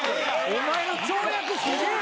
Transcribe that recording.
お前の跳躍すげえ。